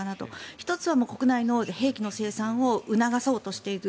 １つは国内の兵器の生産を促そうとしている。